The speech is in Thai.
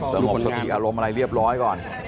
ตะงกฏอารมณ์อะไรเรียบร้อยก่อน